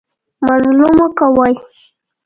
مزلمو کاوه.